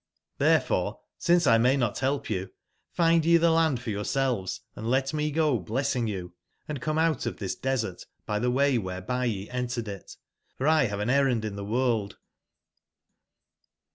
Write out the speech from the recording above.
^berefore since X may not bclp you, find ye tbe land for yourselves, & let me go blessing you, and come out of tbis desert by tbeway wbereby ye entered it. f or X bave an errand in tbe world."